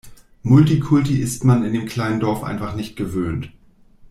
Multikulti ist man in dem kleinen Dorf einfach nicht gewöhnt.